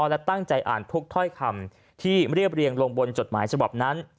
และตั้งใจอ่านทุกถ้อยคำที่เรียบเรียงลงบนจดหมายฉบับนั้น